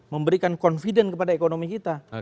memberikan confident kepada ekonomi kita